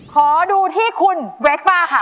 ขอดูที่คุณเวสป้าค่ะ